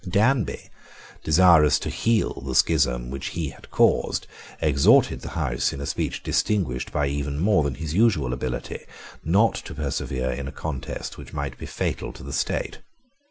Danby, desirous to heal the schism which he had caused, exhorted the House, in a speech distinguished by even more than his usual ability, not to persevere in a contest which might be fatal to the state.